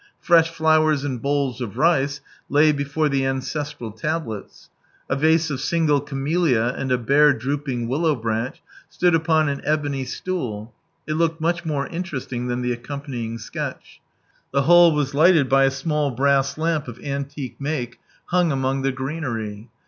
Fresh flowers and bowls of rice lay before Che ancestral tablets. A vase of single camellia and a bare drooping willow branch, stood upon an ebony stool, (it looked luch more interesting than the accompanying sketch.) The 'hole was lighted by a small brass lamp, of antique make, hung among the greenery.